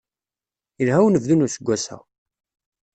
Ilha unebdu n useggas-a.